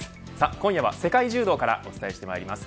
今夜は世界柔道からお伝えします。